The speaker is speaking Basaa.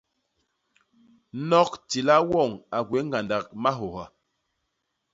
Nok tila woñ a gwéé ñgandak mahôha.